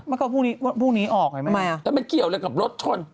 มันก็พรุ่งนี้ออกไงแม่มันไม่เกี่ยวเลยกับรถชน